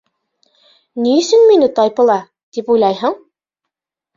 Ни өсөн мине тайпыла, тип уйлайһың?